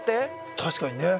確かにね。